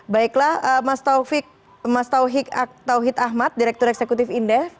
baiklah mas tauhid ahmad direktur eksekutif indef